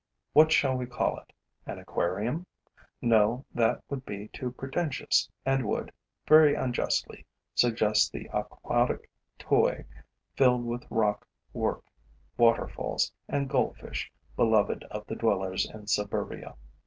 What shall we call it? An aquarium? No, that would be too pretentious and would, very unjustly, suggest the aquatic toy filled with rock work, waterfalls and goldfish beloved of the dwellers in suburbia.